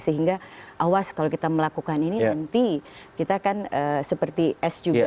sehingga awas kalau kita melakukan ini nanti kita akan seperti s juga